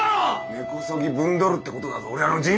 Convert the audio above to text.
根こそぎぶんどるってことだぞ俺らの人生を！